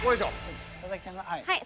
はい！